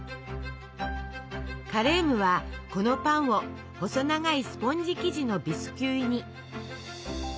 カレームはこのパンを細長いスポンジ生地のビスキュイに。